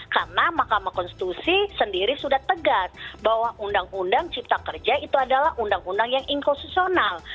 karena mahkamah konstitusi sendiri sudah tegak bahwa undang undang cipta kerja itu adalah undang undang yang inkonsusional